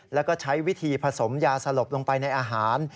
แล้วก็ใช้วิธีผสมยาสลบลงไปในอาหาร